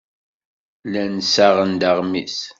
Llan ssaɣen-d aɣmis.